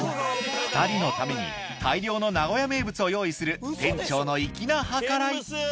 ２人のために大量の名古屋名物を用意する店長の粋な計らい